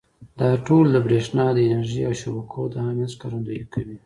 دا ټول د برېښنا د انرژۍ او شبکو د اهمیت ښکارندويي کوي.